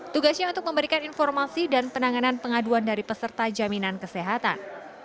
tugasnya untuk memberikan informasi dan penanganan pengaduan dari peserta jaminan kesehatan